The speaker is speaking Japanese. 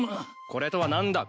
これとは何だ。